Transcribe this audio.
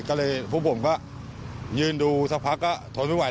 ก็เลยผู้หญิงพูดว่ายืนดูซักพักก็ทนไม่ไหว